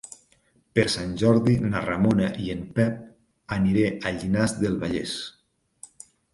Per Sant Jordi na Ramona i en Pep aniré a Llinars del Vallès.